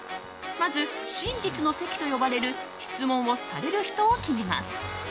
まず、真実の席と呼ばれる質問をされる人を決めます。